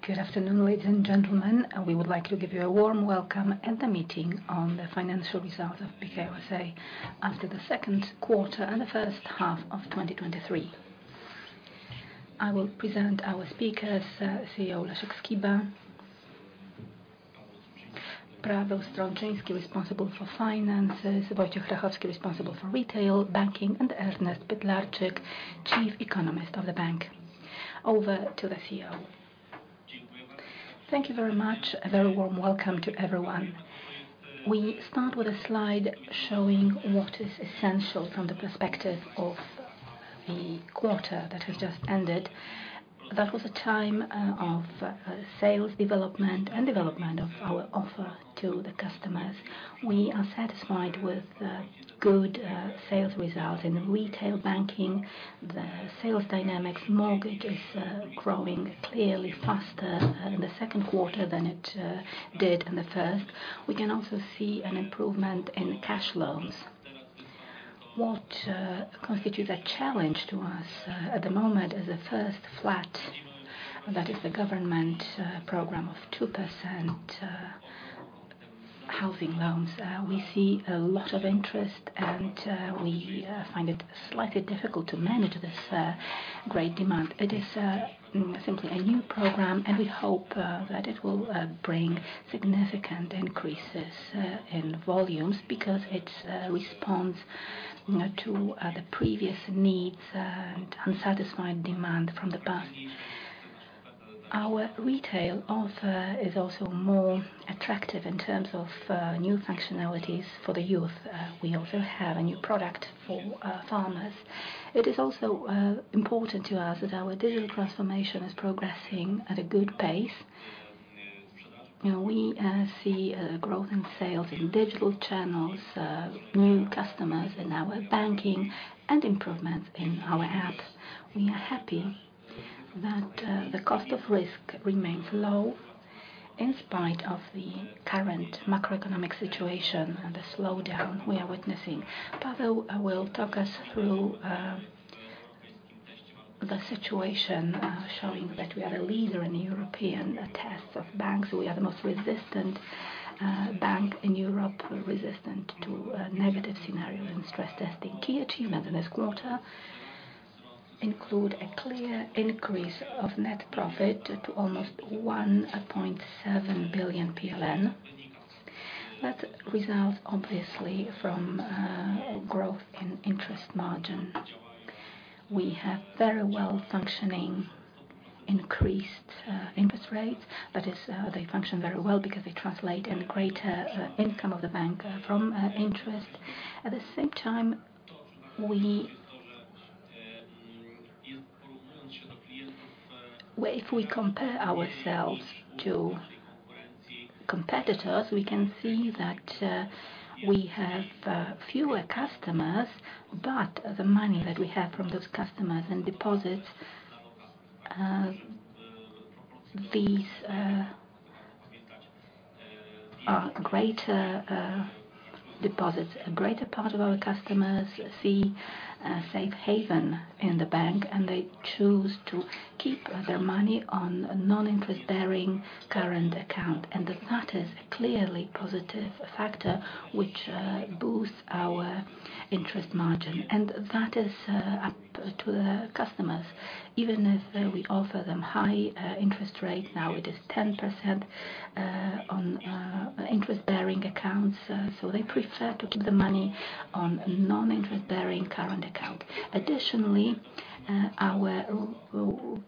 Good afternoon, ladies and gentlemen. We would like to give you a warm welcome at the meeting on the financial results of Bank Pekao after the second quarter and the first half of 2023. I will present our speakers, CEO Leszek Skiba, Paweł Strączyński, responsible for finances, Wojciech Werochowski, responsible for retail banking, and Ernest Pytlarczyk, chief economist of the bank. Over to the CEO. Thank you very much. A very warm welcome to everyone. We start with a slide showing what is essential from the perspective of the quarter that has just ended. That was a time of sales development and development of our offer to the customers. We are satisfied with the good sales results in retail banking. The sales dynamics, mortgages, growing clearly faster in the second quarter than it did in the first. We can also see an improvement in cash loans. What constitutes a challenge to us at the moment is the First Flat, that is the government program of 2% housing loans. We see a lot of interest, and we find it slightly difficult to manage this great demand. It is simply a new program, and we hope that it will bring significant increases in volumes because it responds, you know, to the previous needs and unsatisfied demand from the past. Our retail offer is also more attractive in terms of new functionalities for the youth. We also have a new product for farmers. It is also important to us that our digital transformation is progressing at a good pace. You know, we see growth in sales in digital channels, new customers in our banking and improvements in our apps. We are happy that the cost of risk remains low in spite of the current macroeconomic situation and the slowdown we are witnessing. Paweł will talk us through the situation, showing that we are a leader in the European tests of banks. We are the most resistant bank in Europe, resistant to negative scenario and stress testing. Key achievement in this quarter include a clear increase of net profit to almost 1.7 billion PLN. That results obviously from growth in interest margin. We have very well-functioning increased interest rates, that is, they function very well because they translate in greater income of the bank from interest. At the same time, if we compare ourselves to competitors, we can see that we have fewer customers. The money that we have from those customers and deposits, these are greater deposits. A greater part of our customers see a safe haven in the bank. They choose to keep their money on a non-interest bearing current account. That is a clearly positive factor which boosts our net interest margin. That is up to the customers, even if we offer them high interest rate. Now, it is 10% on interest-bearing accounts. They prefer to keep the money on non-interest bearing current account. Additionally, our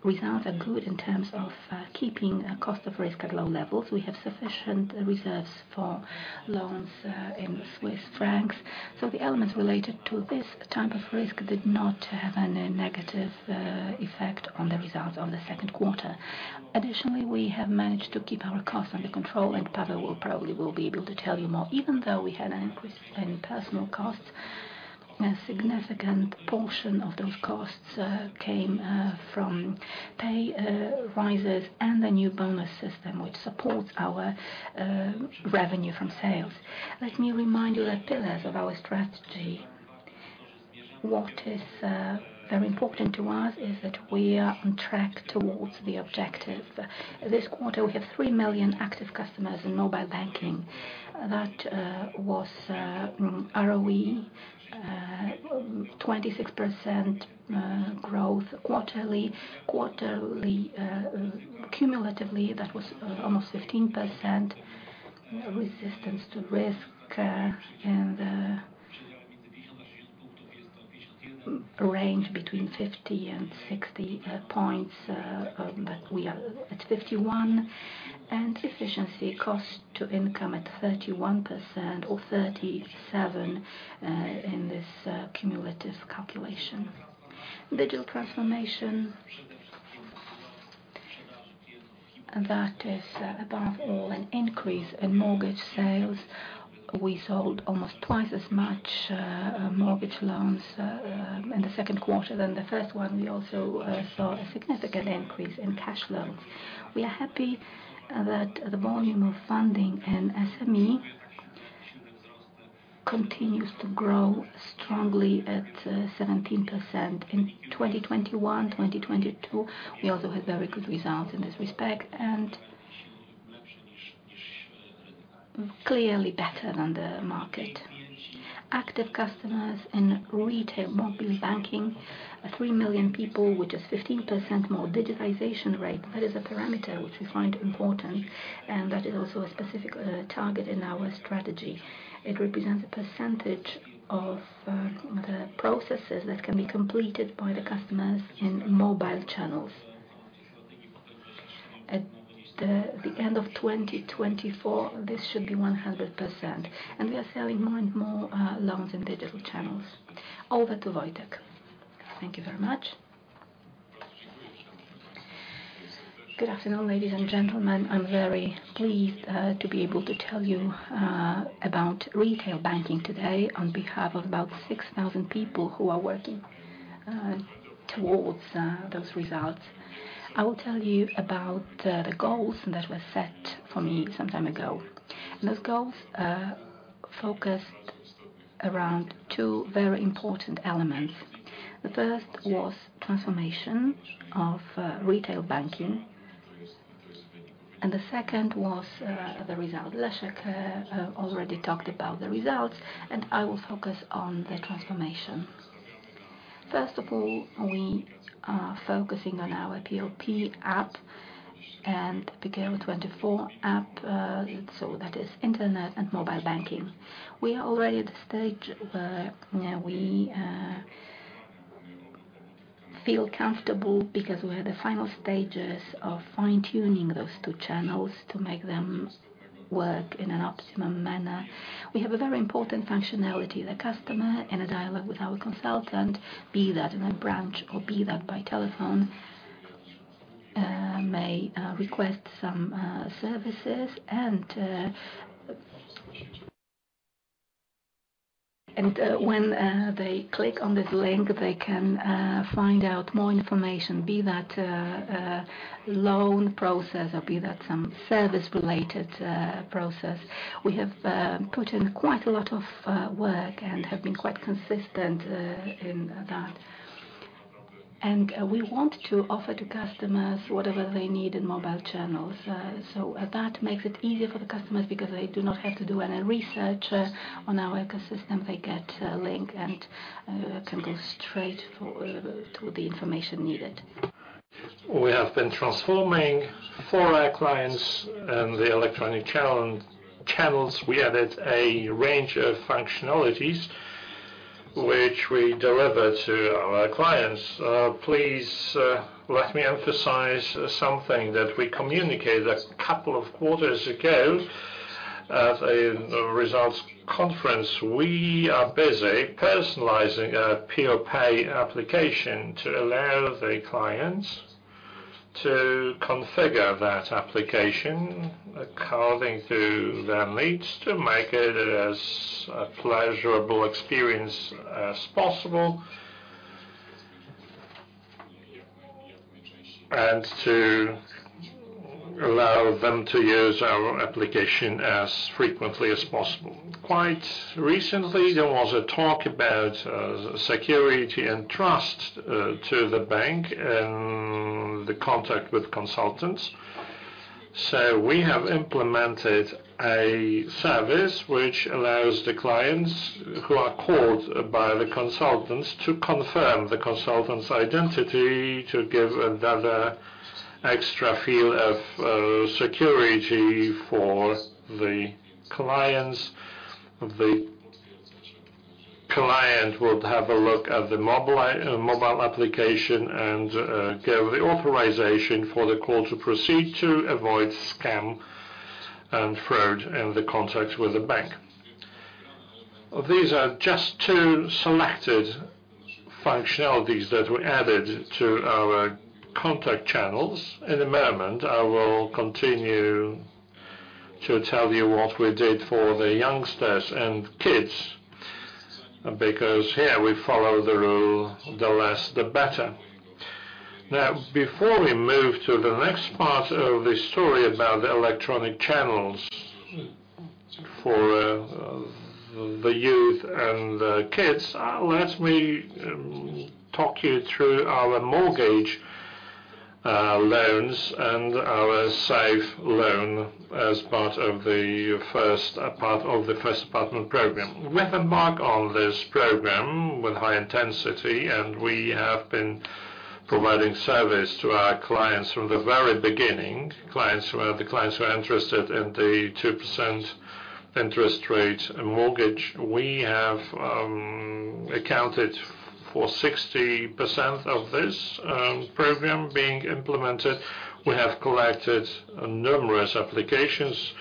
results are good in terms of keeping cost of risk at low levels. We have sufficient reserves for loans in Swiss francs. The elements related to this type of risk did not have any negative effect on the results of the second quarter. Additionally, we have managed to keep our costs under control, and Paweł will probably be able to tell you more. Even though we had an increase in personal costs, a significant portion of those costs came from pay rises and a new bonus system, which supports our revenue from sales. Let me remind you the pillars of our strategy. What is very important to us is that we are on track towards the objective. This quarter, we have 3 million active customers in mobile banking. That was ROE 26% growth quarterly. Quarterly cumulatively, that was almost 15%. Resistance to risk in the range between 50 and 60 points, we are at 51, efficiency cost-to-income at 31% or 37% in this cumulative calculation. Digital transformation, that is, above all, an increase in mortgage sales. We sold almost twice as much mortgage loans in the second quarter than the first one. We also saw a significant increase in cash loans. We are happy that the volume of funding and SME continues to grow strongly at 17% in 2021, 2022. We also had very good results in this respect, clearly better than the market. Active customers in retail mobile banking are 3 million people, which is 15% more digitization rate. That is a parameter which we find important, and that is also a specific target in our strategy. It represents a percentage of the processes that can be completed by the customers in mobile channels. At the end of 2024, this should be 100%, and we are selling more and more loans in digital channels. Over to Wojciech. Thank you very much. Good afternoon, ladies and gentlemen. I'm very pleased to be able to tell you about retail banking today on behalf of about 6,000 people who are working towards those results. I will tell you about the goals that were set for me some time ago, and those goals focused around two very important elements. The first was transformation of retail banking, and the second was the result. Leszek already talked about the results, and I will focus on the transformation. First of all, we are focusing on our PLP app and PeoPay app, so that is internet and mobile banking. We are already at the stage where, where we feel comfortable because we're at the final stages of fine-tuning those two channels to make them work in an optimum manner. We have a very important functionality. The customer, in a dialogue with our consultant, be that in a branch or be that by telephone, may request some services and. When they click on this link, they can find out more information, be that a loan process or be that some service-related process. We have put in quite a lot of work and have been quite consistent in that. We want to offer to customers whatever they need in mobile channels. That makes it easier for the customers because they do not have to do any research on our ecosystem. They get a link and can go straight to the information needed. We have been transforming for our clients and the electronic channel, channels. We added a range of functionalities which we deliver to our clients. Please, let me emphasize something that we communicated a couple of quarters ago at a results conference. We are busy personalizing a PeoPay application to allow the clients to configure that application according to their needs, to make it as a pleasurable experience as possible. To allow them to use our application as frequently as possible. Quite recently, there was a talk about security and trust to the bank in the contact with consultants. We have implemented a service which allows the clients who are called by the consultants to confirm the consultant's identity, to give another extra feel of security for the clients. The client would have a look at the mobile mobile application and give the authorization for the call to proceed to avoid scam and fraud in the contact with the bank. These are just two selected functionalities that we added to our contact channels. In a moment, I will continue to tell you what we did for the youngsters and kids, because here we follow the rule, the less, the better. Now, before we move to the next part of the story about the electronic channels for the youth and the kids, let me talk you through our mortgage loans and our Safe Loan 2% as part of the First Apartment program. We have embarked on this program with high intensity, and we have been providing service to our clients from the very beginning. Clients who are, the clients who are interested in the 2% interest rate mortgage, we have accounted for 60% of this program being implemented. We have collected numerous applications,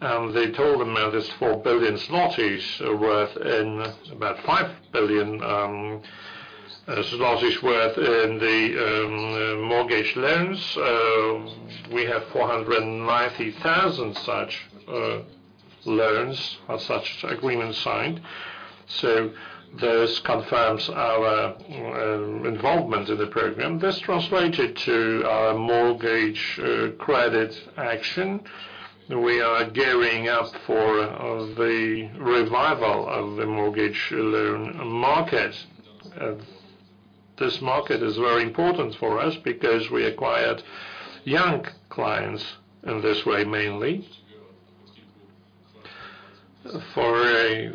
and the total amount is 4 billion zlotys worth, in about 5 billion zlotys worth in the mortgage loans. We have 490,000 such loans or such agreements signed. This confirms our involvement in the program. This translated to our mortgage credit action. We are gearing up for the revival of the mortgage loan market. This market is very important for us because we acquired young clients in this way, mainly. For a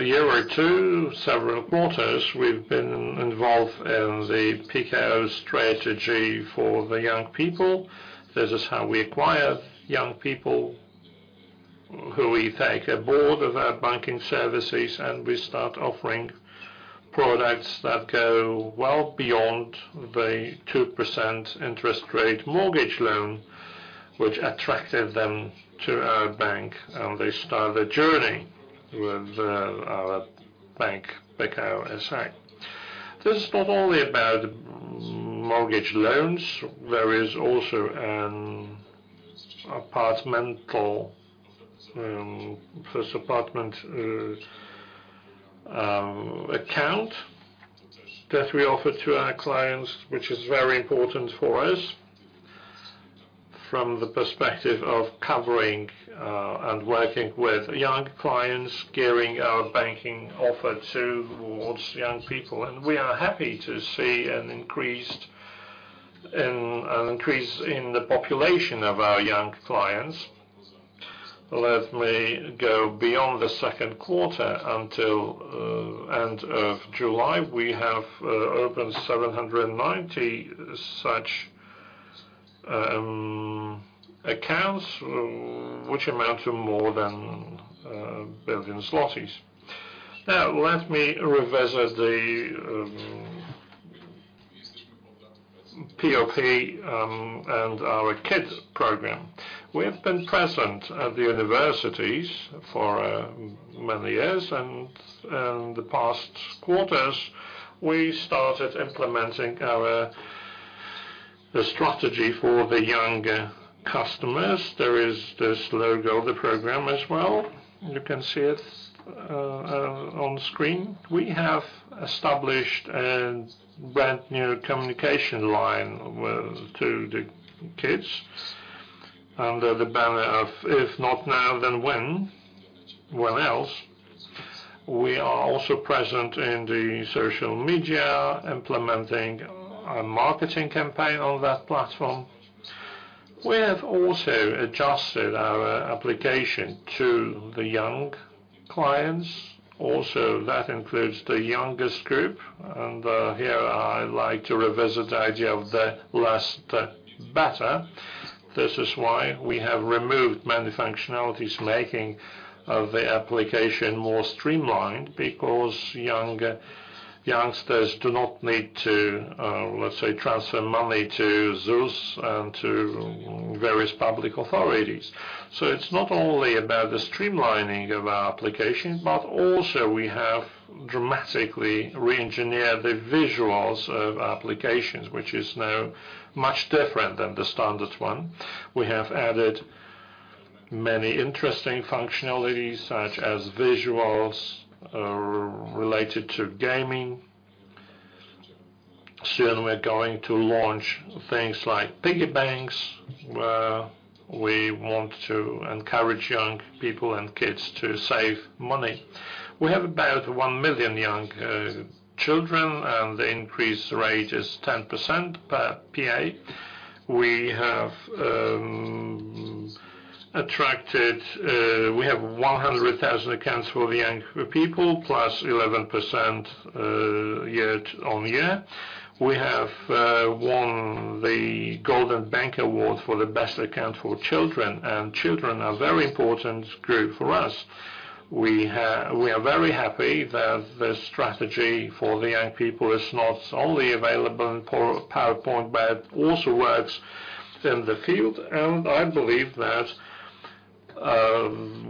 year or two, several quarters, we've been involved in the Pekao strategy for the young people. This is how we acquire young people, who we take aboard of our banking services, and we start offering products that go well beyond the 2% interest rate mortgage loan, which attracted them to our bank, and they start their journey with our bank, Pekao SA. This is not only about mortgage loans. There is also an apartmental, first apartment, account that we offer to our clients, which is very important for us from the perspective of covering and working with young clients, gearing our banking offer towards young people. We are happy to see an increased, an increase in the population of our young clients. Let me go beyond the second quarter until end of July, we have opened 790 such accounts, which amount to more than 1 billion zlotys. Now, let me revisit the POP and our kids program. We have been present at the universities for many years, and in the past quarters, we started implementing the strategy for the younger customers. There is this logo, the program as well. You can see it on screen. We have established a brand new communication line to the kids under the banner of, If Not Now, Then When? When Else. We are also present in the social media, implementing a marketing campaign on that platform. We have also adjusted our application to the young clients. Also, that includes the youngest group, and here I'd like to revisit the idea of the less is better. This is why we have removed many functionalities, making the application more streamlined, because youngsters do not need to, let's say, transfer money to ZUS and to various public authorities. It's not only about the streamlining of our application, but also we have dramatically reengineered the visuals of applications, which is now much different than the standard one. We have added many interesting functionalities, such as visuals related to gaming. Soon, we're going to launch things like piggy banks, where we want to encourage young people and kids to save money. We have about 1 million young children, and the increase rate is 10% per PA. We have attracted, we have 100,000 accounts for the young people, plus 11% year-on-year. We have won the Golden Bank Award for the best account for children. Children are very important group for us. We are very happy that the strategy for the young people is not only available in PowerPoint, but it also works in the field, and I believe that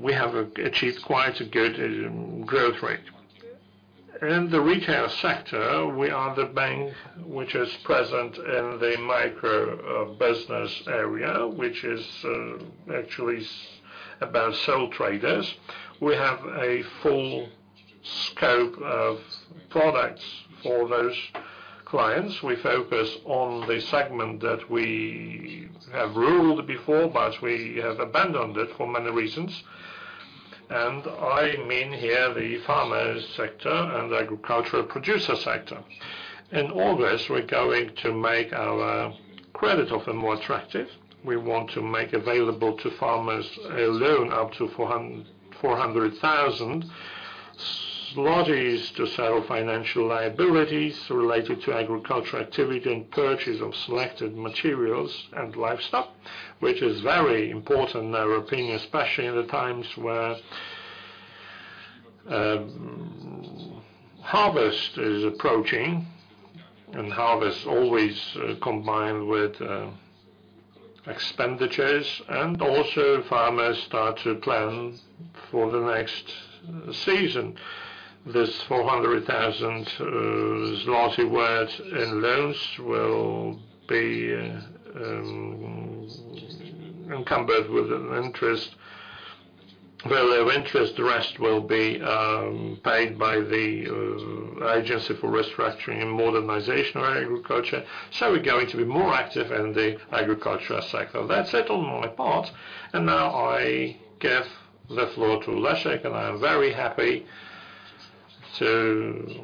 we have achieved quite a good growth rate. In the retail sector, we are the bank which is present in the micro business area, which is actually about sole traders. We have a full scope of products for those clients. We focus on the segment that we have ruled before, but we have abandoned it for many reasons. I mean here, the farmers sector and agricultural producer sector. In August, we're going to make our credit offer more attractive. We want to make available to farmers a loan up to 400,000 to settle financial liabilities related to agricultural activity and purchase of selected materials and livestock, which is very important in our opinion, especially in the times where harvest is approaching, and harvest always combined with expenditures, and also farmers start to plan for the next season. This 400,000 zloty worth in loans will be encumbered with an interest well, of interest, the rest will be paid by the Agency for Restructuring and Modernization of Agriculture. We're going to be more active in the agricultural cycle. That's it on my part, and now I give the floor to Leszek, and I am very happy to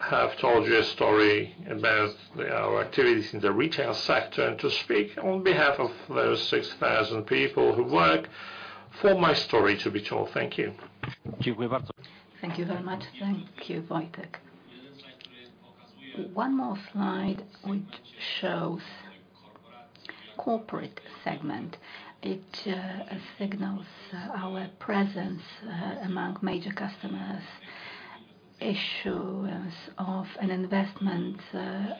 have told you a story about our activities in the retail sector and to speak on behalf of those six thousand people who work for my story to be told. Thank you. Thank you very much. Thank you, Wojciech. One more slide which shows corporate segment. It signals our presence among major customers, issuance of an investment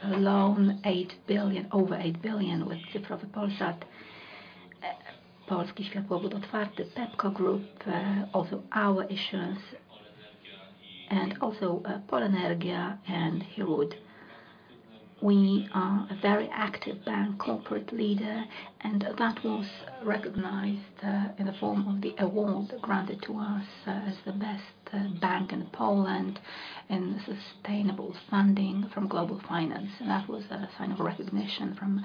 loan, 8 billion, over 8 billion, with Cyfrowy Polsat, Polski Światłowód Otwarty, Pepco Group, also our issuance, and also Polenergia and Herod. We are a very active bank, corporate leader, and that was recognized in the form of the award granted to us as the best bank in Poland in sustainable funding from Global Finance. That was a sign of recognition from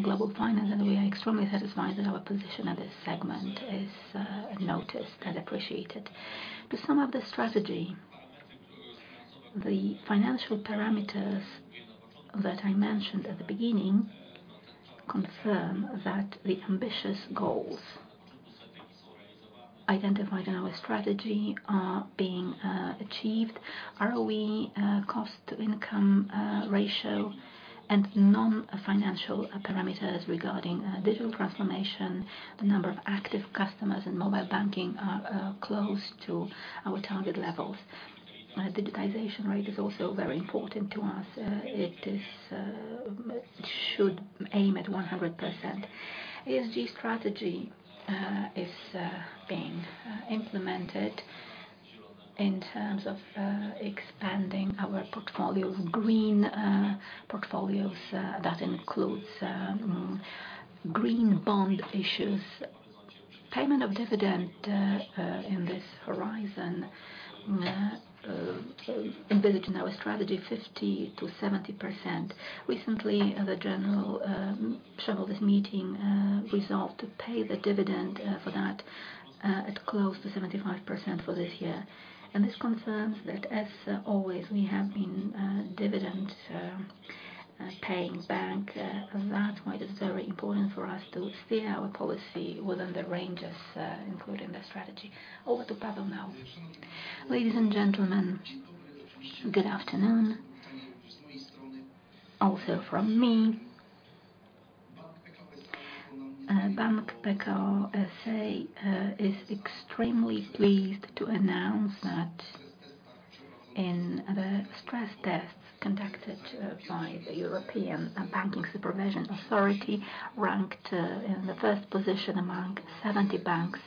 Global Finance, and we are extremely satisfied that our position in this segment is noticed and appreciated. To sum up the strategy, the financial parameters that I mentioned at the beginning confirm that the ambitious goals identified in our strategy are being achieved. ROE, cost-to-income ratio, and non-financial parameters regarding digital transformation, the number of active customers in mobile banking are, are close to our target levels. Digitization rate is also very important to us. It is should aim at 100%. ESG strategy is being implemented in terms of expanding our portfolios, green portfolios, that includes green bond issues. Payment of dividend in this horizon envisaged in our strategy, 50%-70%. Recently, the general shareholders' meeting resolved to pay the dividend for that at close to 75% for this year, and this confirms that, as always, we have been a dividend paying bank. That's why it's very important for us to stay our policy within the ranges, including the strategy. Over to Paweł now. Ladies and gentlemen, good afternoon, also from me. Bank Pekao SA is extremely pleased to announce that in the stress tests conducted by the European Banking Authority, ranked in the first position among 70 banks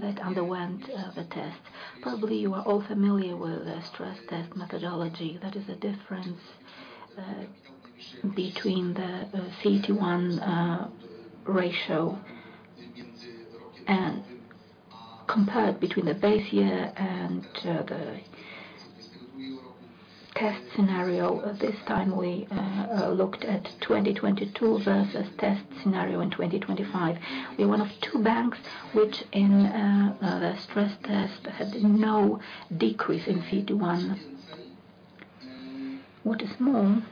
that underwent the test. Probably you are all familiar with the stress test methodology. That is the difference between the CET1 ratio and compared between the base year and the test scenario. At this time, we looked at 2022 versus test scenario in 2025. We're one of two banks which in the stress test had no decrease in CET1. What is more,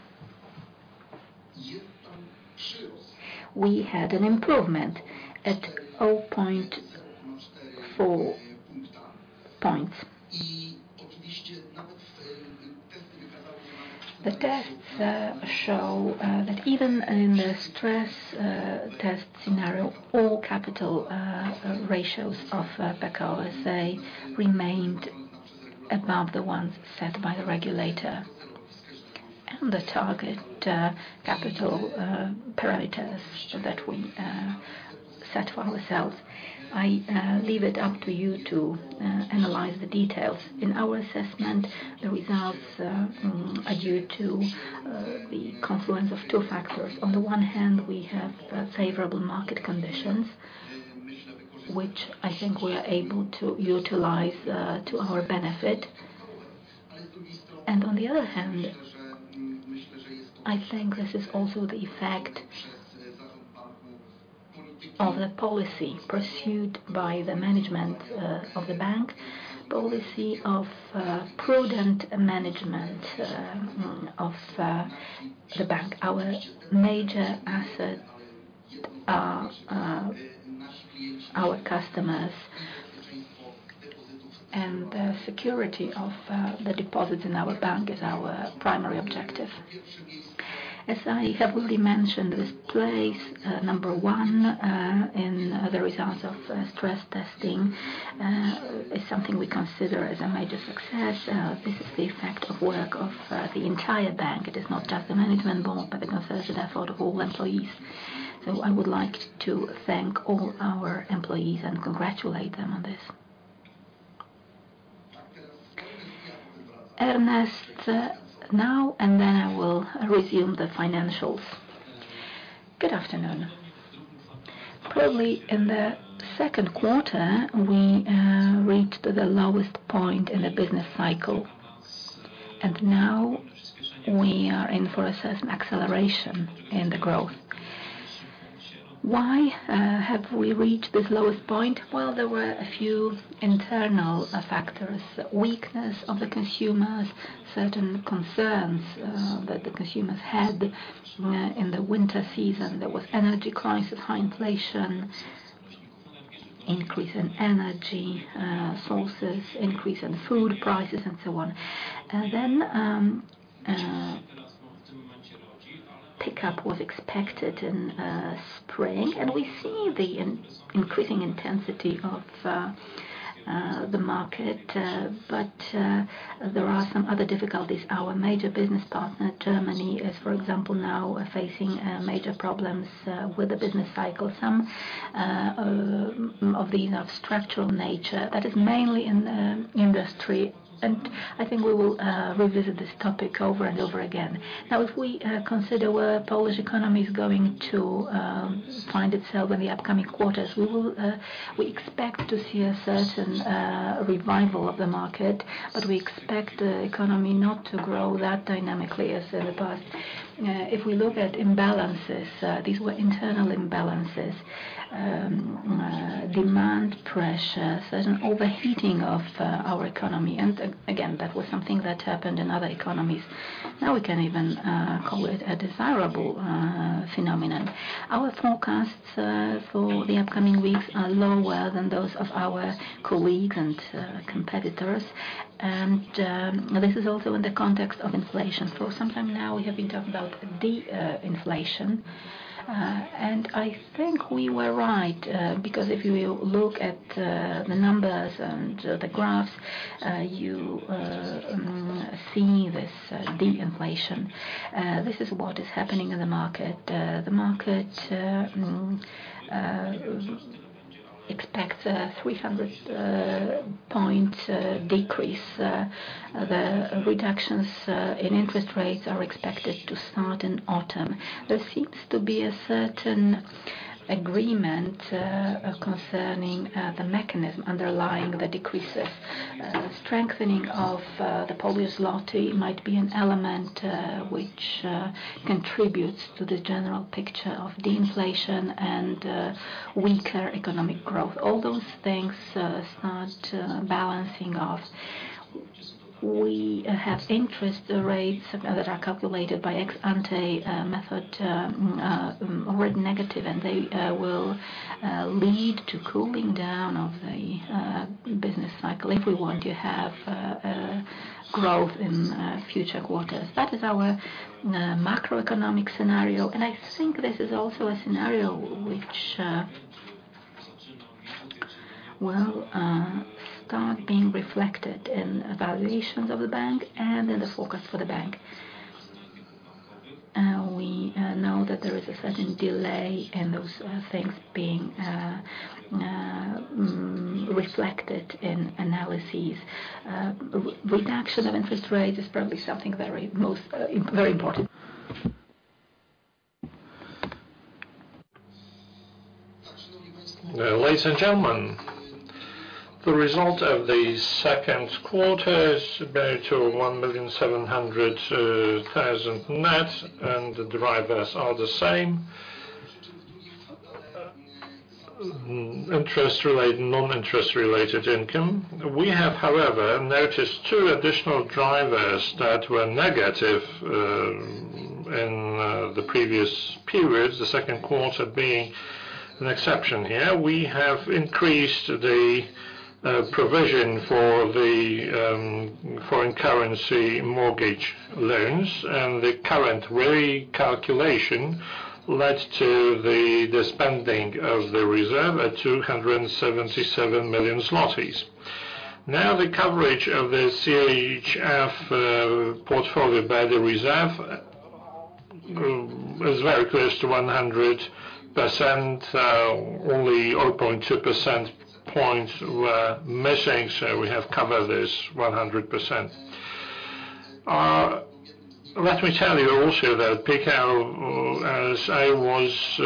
we had an improvement at 0.4 points. The tests show that even in the stress test scenario, all capital ratios of Pekao SA remained above the ones set by the regulator and the target, capital parameters that we set for ourselves. I leave it up to you to analyze the details. In our assessment, the results are due to the confluence of two factors. On the one hand, we have favorable market conditions, which I think we are able to utilize to our benefit. On the other hand, I think this is also the effect of the policy pursued by the management of the bank, policy of prudent management of the bank. Our major asset are our customers, and the security of the deposits in our bank is our primary objective. As I have already mentioned, this place, number one, in the results of stress testing, is something we consider as a major success. This is the effect of work of the entire bank. It is not just the management board, but a concerted effort of all employees. I would like to thank all our employees and congratulate them on this. Ernest, now. Then I will resume the financials. Good afternoon. Probably in the second quarter, we reached the lowest point in the business cycle. Now we are in for a certain acceleration in the growth. Why have we reached this lowest point? Well, there were a few internal factors: weakness of the consumers, certain concerns that the consumers had in the winter season. There was energy crisis, high inflation, increase in energy sources, increase in food prices, and so on. Then pickup was expected in spring, and we see the increasing intensity of the market, but there are some other difficulties. Our major business partner, Germany, is, for example, now facing major problems with the business cycle, some of these are structural nature, that is mainly in industry, and I think we will revisit this topic over and over again. Now, if we consider where Polish economy is going to find itself in the upcoming quarters, we will we expect to see a certain revival of the market, but we expect the economy not to grow that dynamically as in the past. If we look at imbalances, these were internal imbalances, demand pressure, certain overheating of our economy, again, that was something that happened in other economies. Now we can even call it a desirable phenomenon. Our forecasts for the upcoming weeks are lower than those of our colleagues and competitors, and this is also in the context of inflation. For some time now, we have been talking about de-inflation, and I think we were right, because if you look at the numbers and the graphs, you see this deep inflation. This is what is happening in the market. The market expects a 300 basis point decrease. The reductions in interest rates are expected to start in autumn. There seems to be a certain agreement concerning the mechanism underlying the decreases. Strengthening of the Polish zloty might be an element which contributes to the general picture of the inflation and weaker economic growth. All those things start balancing off. We have interest rates that are calculated by ex ante method already negative, and they will lead to cooling down of the business cycle if we want to have growth in future quarters. That is our macroeconomic scenario, and I think this is also a scenario which will start being reflected in valuations of the bank and in the forecast for the bank. We know that there is a certain delay in those things being reflected in analyses. Reduction of interest rates is probably something very most, very important. Ladies and gentlemen, the result of the second quarter is about 1.7 million net, and the drivers are the same. Interest-related, non-interest related income. We have, however, noticed two additional drivers that were negative in the previous periods, the second quarter being an exception here. We have increased the provision for the foreign currency mortgage loans, and the current recalculation led to the spending of the reserve at 277 million zlotys. Now, the coverage of the CHF portfolio by the reserve is very close to 100%. Only 0.2 percentage points were missing, so we have covered this 100%. Let me tell you also that PKP, as I was,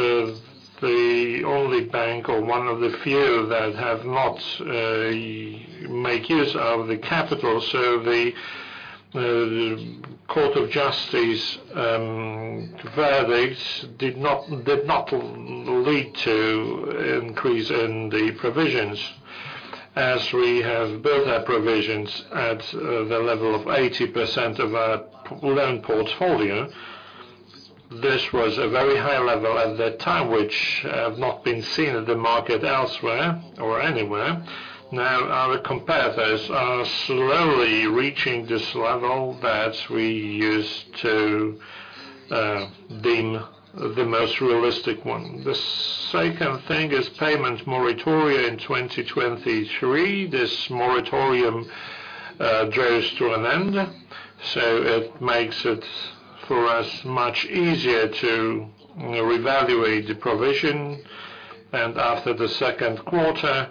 the only bank or one of the few that have not make use of the capital, so the Court of Justice verdicts did not, did not lead to increase in the provisions, as we have built our provisions at the level of 80% of our loan portfolio. This was a very high level at that time, which have not been seen in the market elsewhere or anywhere. Now, our competitors are slowly reaching this level that we used to deem the most realistic one. The second thing is payment moratoria in 2023. This moratorium draws to an end. It makes it for us much easier to, you know, reevaluate the provision, and after the second quarter,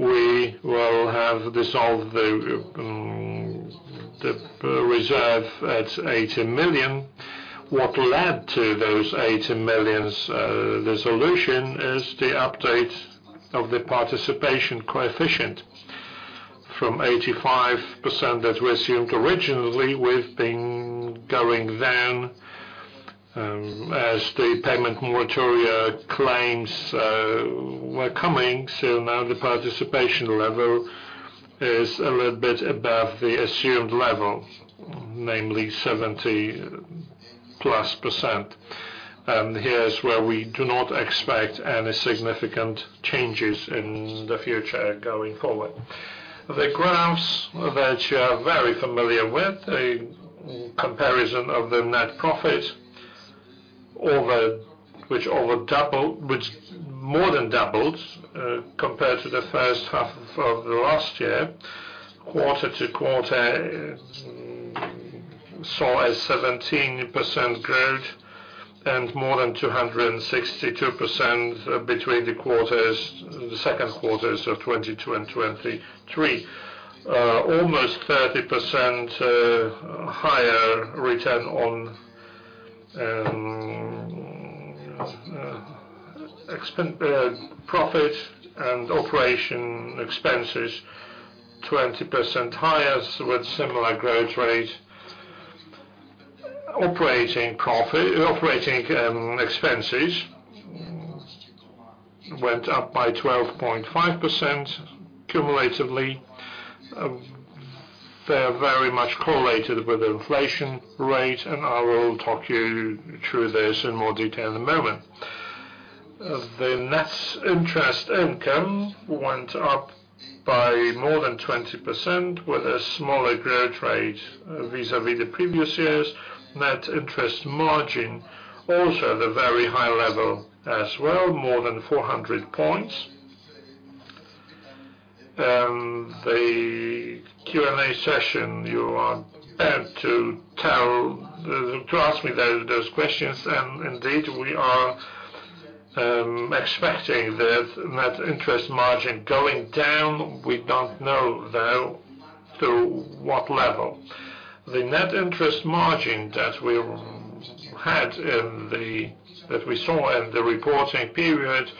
we will have dissolved the reserve at 80 million. What led to those 80 million dissolution is the update of the participation coefficient from 85% that we assumed originally, we've been going down as the payment moratoria claims were coming. Now the participation level is a little bit above the assumed level, namely 70%+. Here's where we do not expect any significant changes in the future going forward. The graphs that you are very familiar with, a comparison of the net profit over, which over double, which more than doubles compared to the first half of the last year, quarter to quarter, saw a 17% growth and more than 262% between the quarters, the second quarters of 2022 and 2023. Almost 30% higher return on profit and operation expenses, 20% higher with similar growth rate. Operating profit, operating expenses went up by 12.5% cumulatively. They're very much correlated with inflation rate, I will talk you through this in more detail in a moment. The net interest income went up by more than 20% with a smaller growth rate vis-à-vis the previous years. Net interest margin, also at a very high level as well, more than 400 points. The Q&A session, you are apt to tell, to ask me those, those questions, indeed, we are expecting the net interest margin going down. We don't know, though, to what level. The net interest margin that we saw in the reporting period,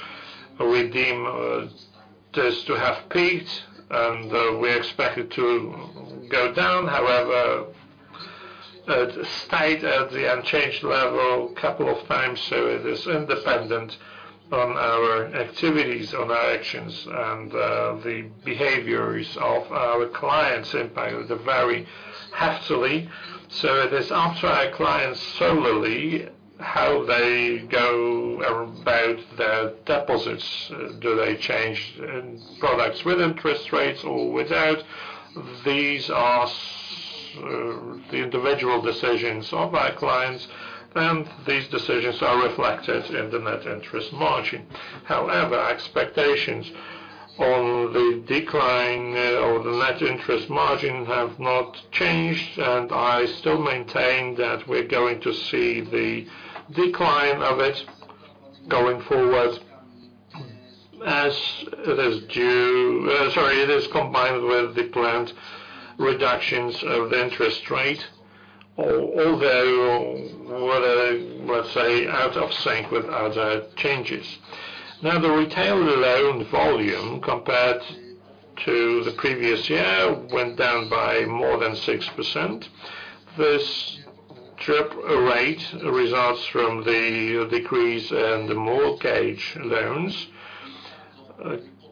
we deem this to have peaked, we expect it to go down. It stayed at the unchanged level a couple of times, so it is independent on our activities, on our actions, and the behaviors of our clients impact it very heftily. It is up to our clients solely how they go about their deposits. Do they change in products with interest rates or without? These are the individual decisions of our clients, and these decisions are reflected in the net interest margin. Expectations on the decline or the net interest margin have not changed, and I still maintain that we're going to see the decline of it going forward as it is due, sorry, it is combined with the planned reductions of the interest rate, although, what I would say, out of sync with other changes. Now, the retail loan volume, compared to the previous year, went down by more than 6%. This drop rate results from the decrease in the mortgage loans.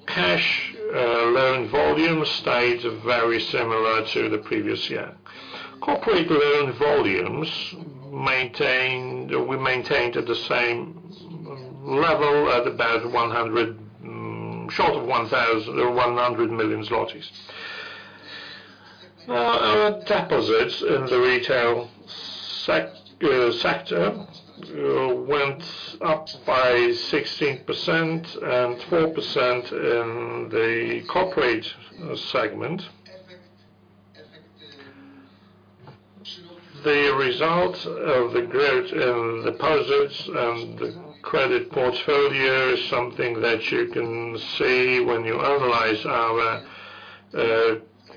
Cash loan volume stayed very similar to the previous year. Corporate loan volumes maintained, we maintained at the same level, at about PLN 100 million. Our deposits in the retail sector went up by 16% and 4% in the corporate segment. The result of the growth in deposits and the credit portfolio is something that you can see when you analyze our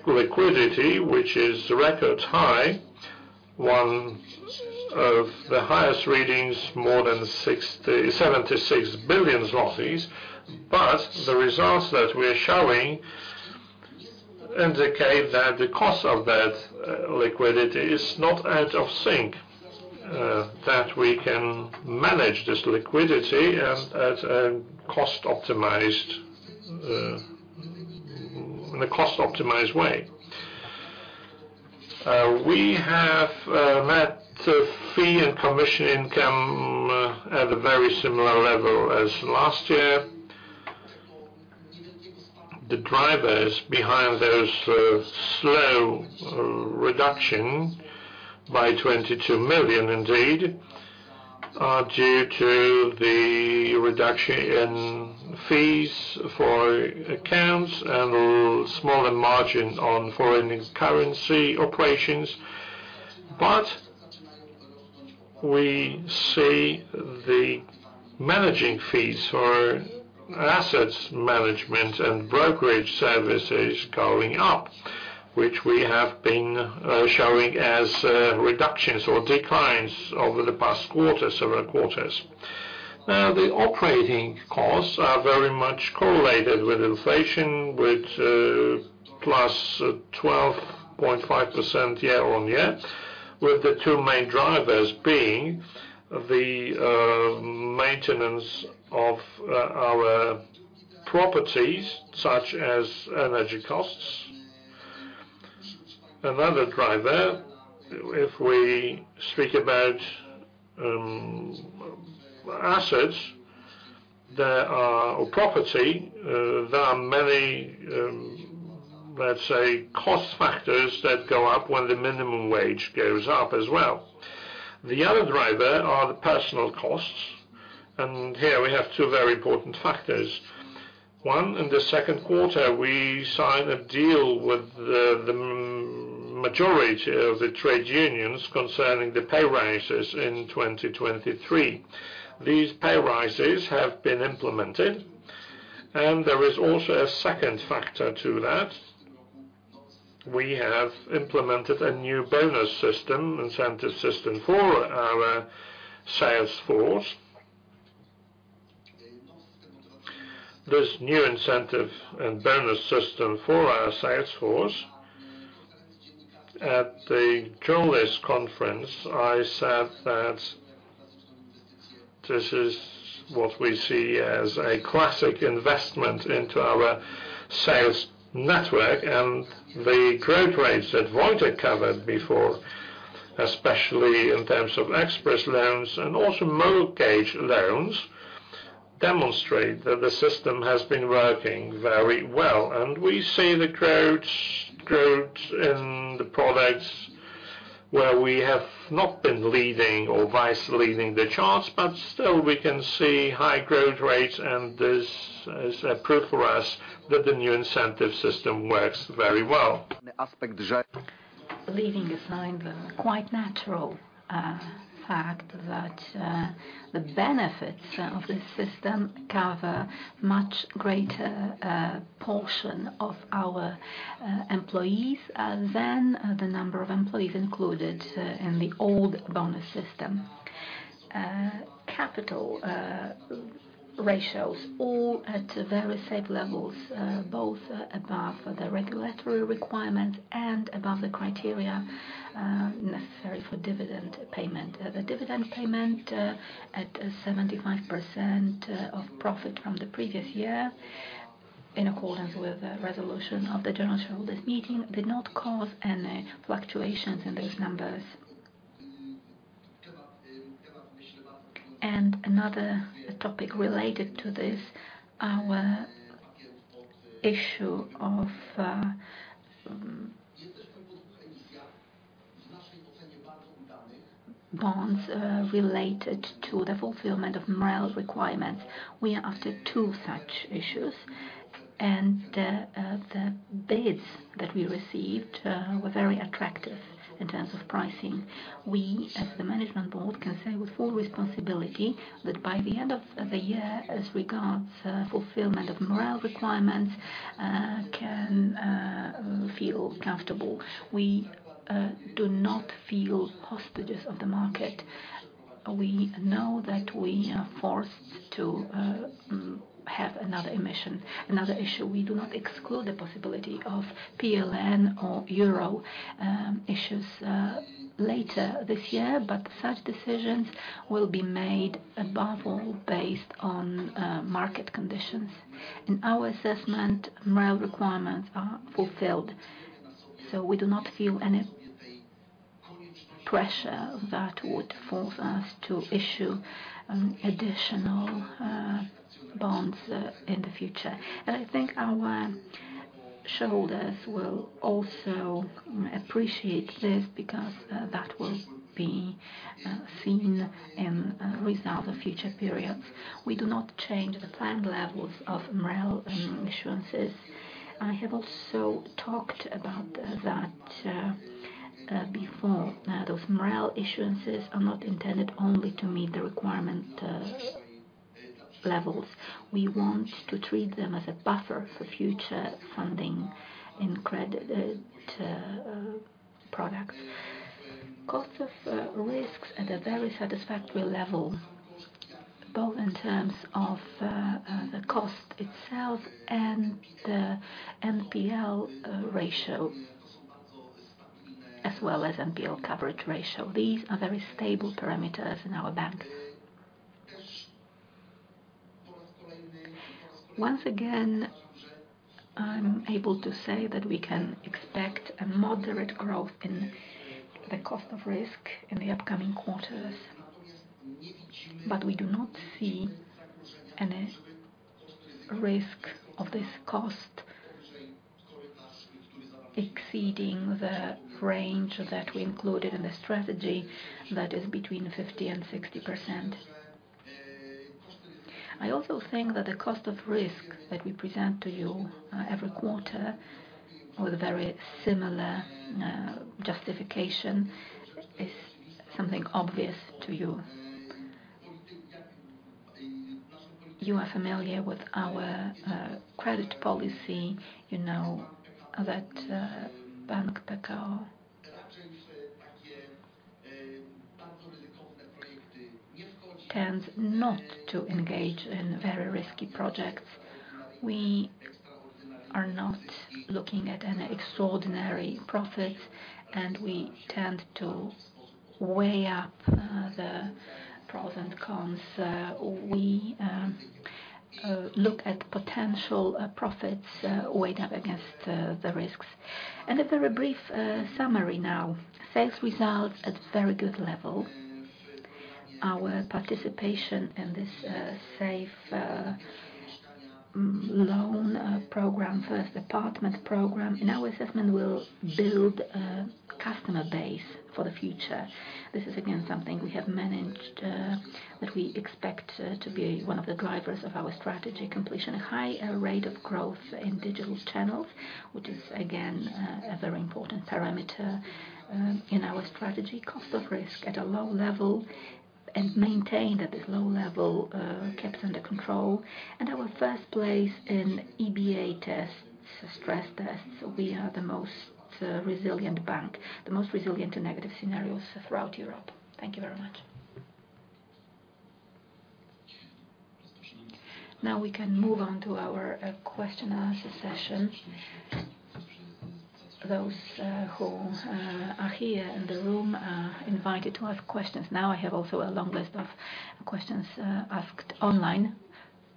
liquidity, which is record high, one of the highest readings, more than 76 billion zlotys. The results that we are showing indicate that the cost of that liquidity is not out of sync, that we can manage this liquidity at a cost optimized in a cost-optimized way. We have met fee and commission income at a very similar level as last year. The drivers behind those, slow reduction by 22 million, indeed, due to the reduction in fees for accounts and smaller margin on foreign currency operations, but we see the managing fees for assets management and brokerage services going up, which we have been showing as reductions or declines over the past quarter, several quarters. Now, the operating costs are very much correlated with inflation, with +12.5% year-on-year, with the two main drivers being the maintenance of our properties, such as energy costs. Another driver, if we speak about assets, there are, or property, there are many, let's say, cost factors that go up when the minimum wage goes up as well. The other driver are the personal costs. Here we have two very important factors. One, in the second quarter, we signed a deal with the majority of the trade unions concerning the pay rises in 2023. These pay rises have been implemented. There is also a second factor to that. We have implemented a new bonus system, incentive system, for our sales force. This new incentive and bonus system for our sales force, at the journalist conference, I said that this is what we see as a classic investment into our sales network, and the growth rates that Wojciech covered before, especially in terms of express loans and also mortgage loans, demonstrate that the system has been working very well. We see the growth, growth in the products where we have not been leading or vice leading the charts, but still we can see high growth rates, and this is a proof for us that the new incentive system works very well. Leaving aside the quite natural fact that the benefits of this system cover much greater portion of our employees than the number of employees included in the old bonus system. Capital ratios all at very safe levels, both above the regulatory requirements and above the criteria necessary for dividend payment. The dividend payment at 75% of profit from the previous year, in accordance with the resolution of the general shareholders meeting, did not cause any fluctuations in these numbers. Another topic related to this, our issue of bonds related to the fulfillment of MREL requirements. We are after two such issues, and the bids that we received were very attractive in terms of pricing. We, as the management board, can say with full responsibility that by the end of the year, as regards fulfillment of MREL requirements, can feel comfortable. We do not feel hostages of the market. We know that we are forced to have another emission, another issue. We do not exclude the possibility of PLN or euro issues later this year, but such decisions will be made above all, based on market conditions. In our assessment, MREL requirements are fulfilled, so we do not feel any pressure that would force us to issue additional bonds in the future. I think our shareholders will also appreciate this, because that will be seen in results of future periods. We do not change the planned levels of MREL issuances. I have also talked about that before. Those MREL issuances are not intended only to meet the requirement levels. We want to treat them as a buffer for future funding in credit products. Cost of risks at a very satisfactory level, both in terms of the cost itself and the NPL ratio, as well as NPL coverage ratio. These are very stable parameters in our banks. Once again, I'm able to say that we can expect a moderate growth in the cost of risk in the upcoming quarters, but we do not see any risk of this cost exceeding the range that we included in the strategy, that is between 50% and 60%. I also think that the cost of risk that we present to you every quarter with a very similar justification is something obvious to you. You are familiar with our credit policy. You know that Bank Pekao tends not to engage in very risky projects. We are not looking at any extraordinary profits, and we tend to weigh up the pros and cons. We look at potential profits weighed up against the risks. A very brief summary now. Sales results at very good level. Our participation in this safe loan program, First Apartment Program, in our assessment, will build a customer base for the future. This is, again, something we have managed that we expect to be one of the drivers of our strategy completion. A high rate of growth in digital channels, which is, again, a very important parameter in our strategy. Cost of risk at a low level and maintained at this low level, kept under control, and our first place in EBA tests, stress tests. We are the most resilient bank, the most resilient to negative scenarios throughout Europe. Thank you very much. We can move on to our Q&A session. Those who are here in the room are invited to ask questions now. I have also a long list of questions asked online.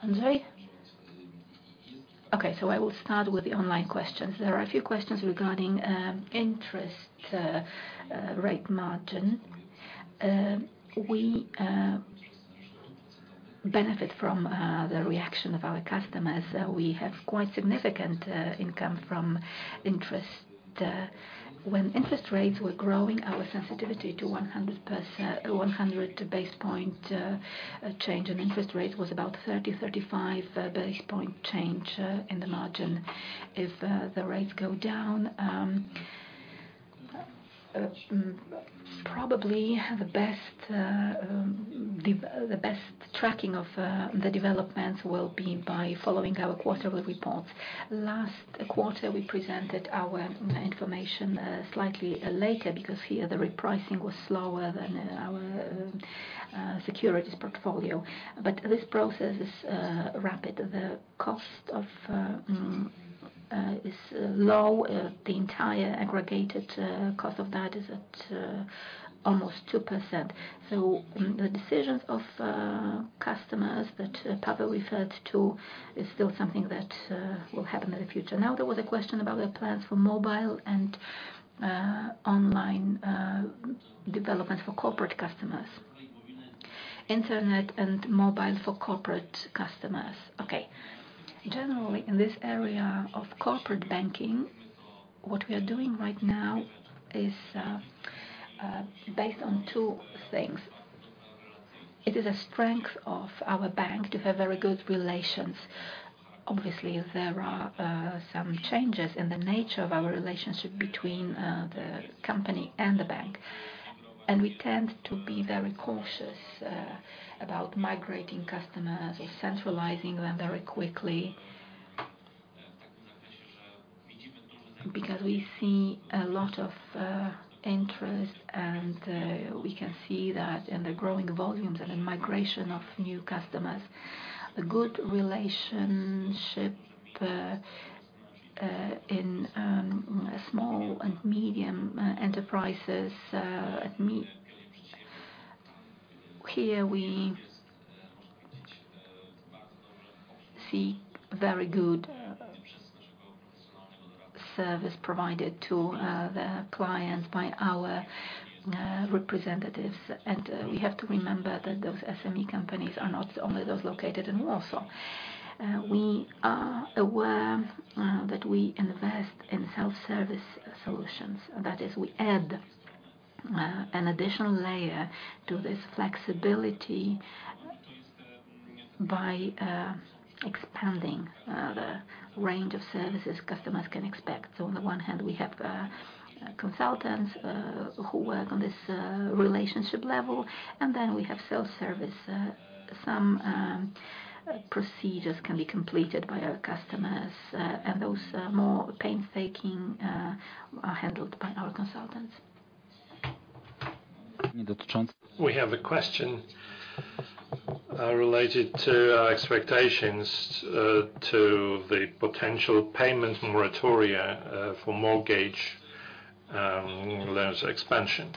Andrzej? I will start with the online questions. There are a few questions regarding interest rate margin. We benefit from the reaction of our customers. We have quite significant income from interest. When interest rates were growing, our sensitivity to 100%-- 100 basis points change in interest rates was about 30-35 basis points change in the margin. If the rates go down, probably the best dev-- the best tracking of the developments will be by following our quarterly reports. Last quarter, we presented our information slightly later, because here, the repricing was slower than our securities portfolio. But this process is rapid. The cost of is low. The entire aggregated cost of that is at almost 2%. So the decisions of customers that Paweł referred to is still something that will happen in the future. There was a question about the plans for mobile and online development for corporate customers. Internet and mobile for corporate customers. Okay. Generally, in this area of corporate banking, what we are doing right now is based on two things. It is a strength of our bank to have very good relations. Obviously, there are some changes in the nature of our relationship between the company and the bank, and we tend to be very cautious about migrating customers or centralizing them very quickly. We see a lot of interest, and we can see that in the growing volumes and in migration of new customers. A good relationship in small and medium enterprises. Here, we see very good service provided to the clients by our representatives. We have to remember that those SME companies are not only those located in Warsaw. We are aware that we invest in self-service solutions, that is, we add an additional layer to this flexibility by expanding the range of services customers can expect. On the one hand, we have consultants who work on this relationship level, and then we have self-service. Some procedures can be completed by our customers, and those more painstaking are handled by our consultants. We have a question related to our expectations to the potential payment moratoria for mortgage loans expansion.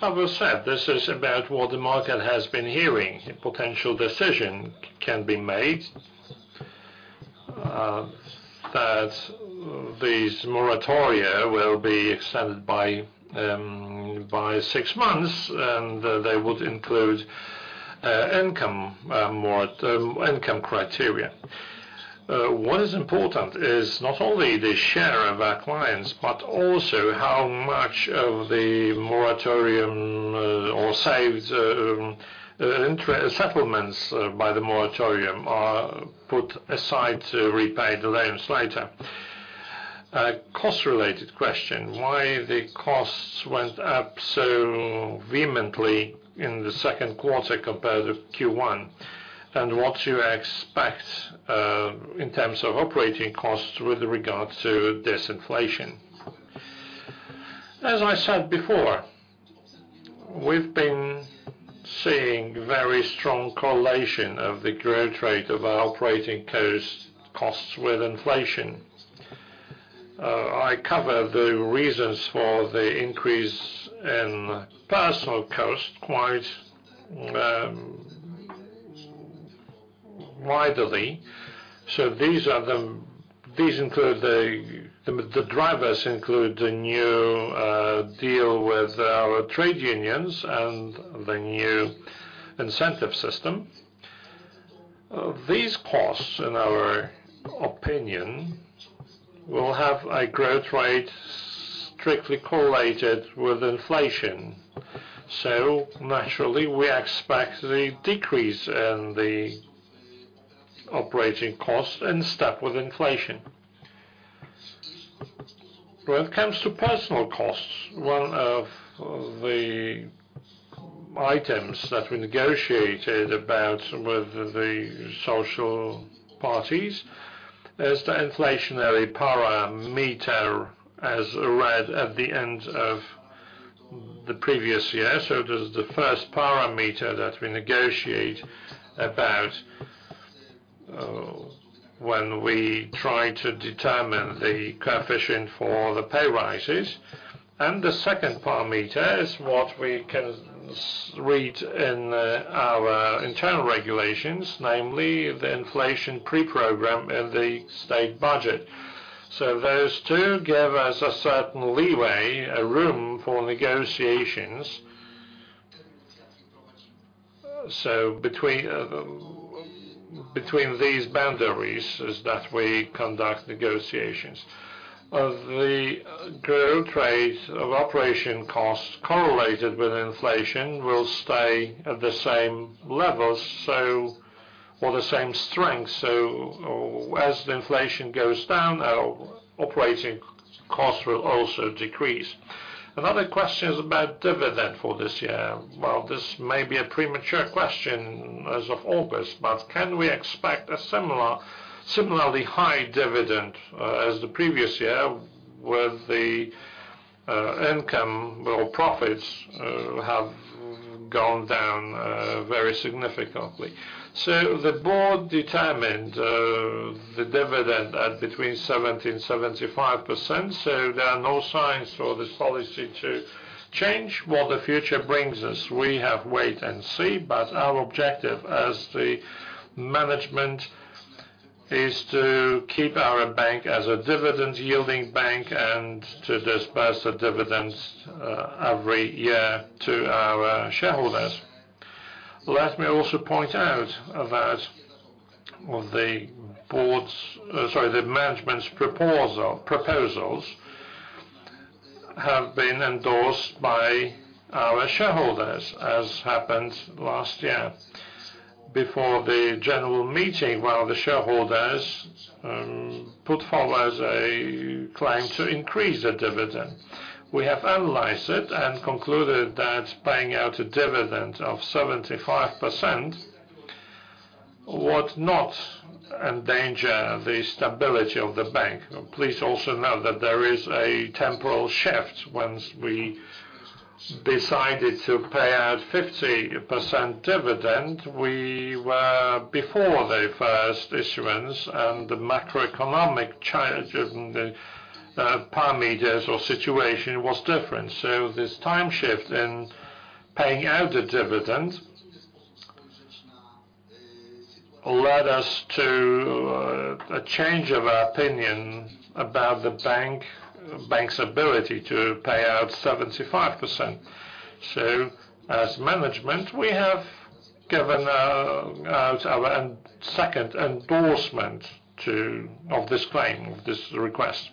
Paweł said, this is about what the market has been hearing. A potential decision can be made that these moratoria will be extended by 6 months, and they would include income more income criteria. What is important is not only the share of our clients, but also how much of the moratorium, or saved settlements by the moratorium are put aside to repay the loans later. Cost-related question, why the costs went up so vehemently in the 2Q compared with Q1, and what you expect in terms of operating costs with regard to this inflation? As I said before, we've been seeing very strong correlation of the growth rate of our operating cost, costs with inflation. I cover the reasons for the increase in personal cost quite widely. These include the drivers include the new deal with our trade unions and the new incentive system. These costs, in our opinion, will have a growth rate strictly correlated with inflation. Naturally, we expect the decrease in the operating cost in step with inflation. When it comes to personal costs, one of the items that we negotiated about with the social parties is the inflationary parameter as read at the end of the previous year. It is the first parameter that we negotiate about, when we try to determine the coefficient for the pay rises, and the second parameter is what we can read in, our internal regulations, namely the inflation pre-program in the state budget. Those two give us a certain leeway, a room for negotiations. Between, between these boundaries is that we conduct negotiations. Of the growth rate of operation costs correlated with inflation will stay at the same level, so or the same strength, so as the inflation goes down, our operating costs will also decrease. Another question is about dividend for this year. Well, this may be a premature question as of August, but can we expect a similar, similarly high dividend, as the previous year, with the, income or profits, have gone down, very significantly? The board determined the dividend at between 70% and 75%, so there are no signs for this policy to change. What the future brings us, we have wait and see, but our objective as the management is to keep our bank as a dividend-yielding bank and to disperse the dividends every year to our shareholders. Let me also point out that of the board's, sorry, the management's proposal, proposals have been endorsed by our shareholders, as happened last year. Before the general meeting, one of the shareholders put forward a claim to increase the dividend. We have analyzed it and concluded that paying out a dividend of 75% would not endanger the stability of the bank. Please also note that there is a temporal shift. Once we decided to pay out 50% dividend, we were before the first issuance, and the macroeconomic parameters or situation was different. This time shift in paying out the dividend led us to a change of opinion about the bank, bank's ability to pay out 75%. As management, we have given out our second endorsement to, of this claim, this request.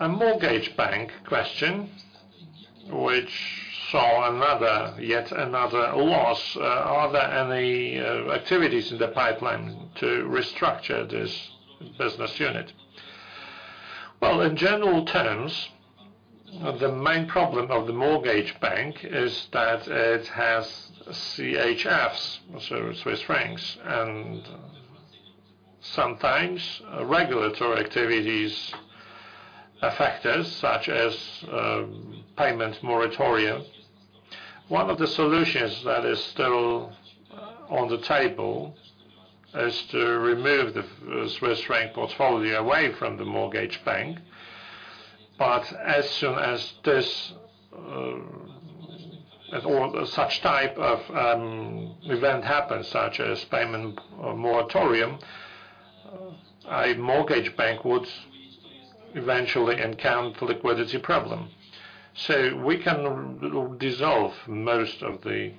A mortgage bank question, which saw another, yet another loss. Are there any activities in the pipeline to restructure this business unit? In general terms, the main problem of the mortgage bank is that it has CHFs, so Swiss francs, and sometimes regulatory activities affect us, such as payment moratorium. One of the solutions that is still on the table is to remove the Swiss franc portfolio away from the mortgage bank. As soon as this, and all such type of event happens, such as payment moratorium, a mortgage bank would eventually encounter liquidity problem. We can dissolve most of the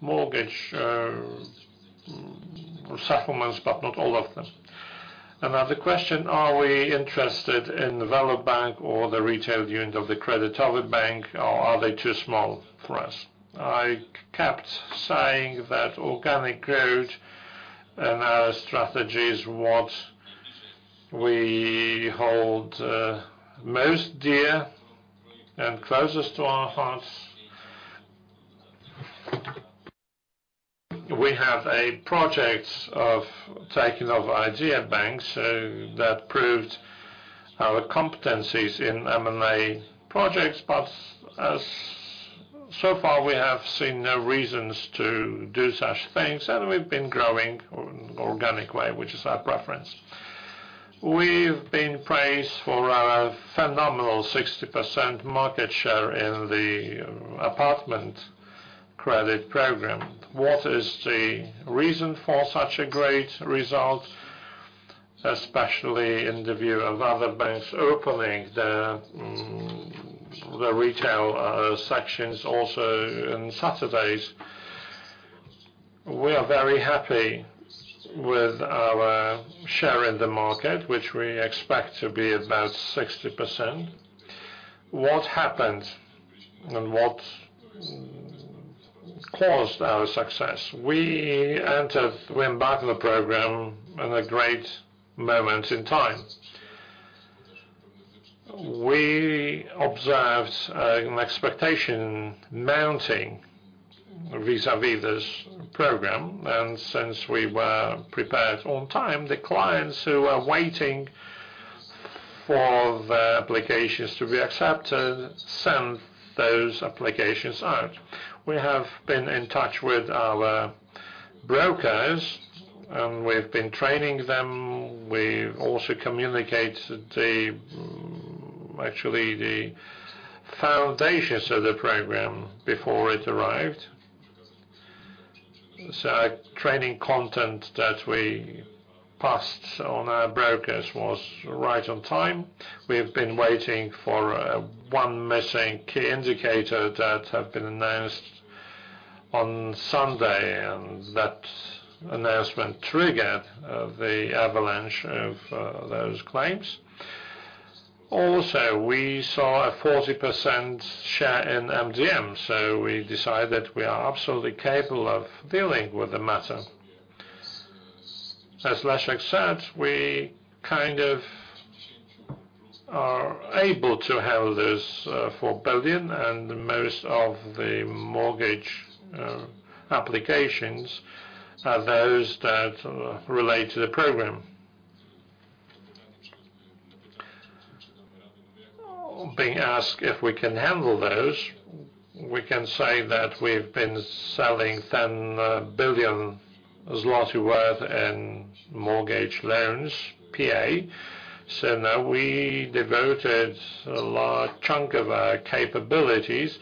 mortgage settlements, but not all of them. Another question, are we interested in the VeloBank or the retail unit of the Crédit Agricole Bank Polska, or are they too small for us? I kept saying that organic growth in our strategy is what we hold most dear and closest to our hearts. We have a project of taking over Idea Bank, that proved our competencies in M&A projects, but as so far, we have seen no reasons to do such things, and we've been growing organic way, which is our preference. We've been praised for our phenomenal 60% market share in the apartment credit program. What is the reason for such a great result, especially in the view of other banks opening the, the retail sections also in Saturdays? We are very happy with our share in the market, which we expect to be about 60%. What happened and what caused our success? We entered, we embarked on the program in a great moment in time. We observed an expectation mounting vis-a-vis this program. Since we were prepared on time, the clients who are waiting for their applications to be accepted, sent those applications out. We have been in touch with our brokers, and we've been training them. We've also communicated the, actually, the foundations of the program before it arrived. Training content that we passed on our brokers was right on time. We've been waiting for one missing key indicator that have been announced on Sunday. That announcement triggered the avalanche of those claims. We saw a 40% share in MdM. We decided that we are absolutely capable of dealing with the matter. As Leszek said, we kind of are able to handle this 4 billion, and most of the mortgage applications are those that relate to the program. Being asked if we can handle those, we can say that we've been selling 10 billion zloty worth in mortgage loans PA. Now we devoted a large chunk of our capabilities